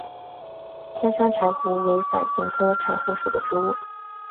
天山柴胡为伞形科柴胡属的植物。